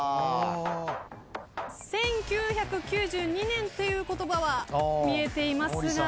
１９９２年っていう言葉は見えていますが。